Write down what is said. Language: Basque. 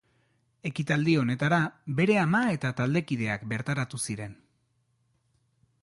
Ekitaldi honetara bere ama eta taldekideak bertaratu ziren.